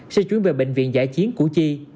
sẽ chuyến về bệnh viện giải chiến củ chi